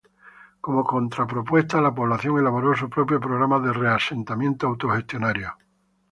Como contrapropuesta la población elaboró su propio programa de reasentamiento autogestionario.